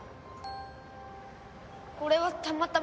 これはたまたま。